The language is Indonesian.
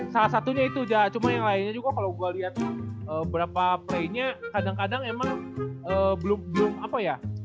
salah satunya itu cuma yang lainnya juga kalau gue lihat berapa play nya kadang kadang emang belum apa ya